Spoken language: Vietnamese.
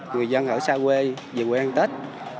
người dân ở xa quê về quê an tết